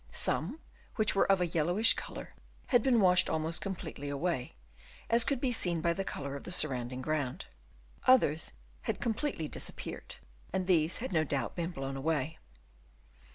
Some, which were of a yellowish colour had been washed almost completely away, as could be seen by the colour of the surrounding ground. Others had completely disappeared, and these no doubt had been blown away.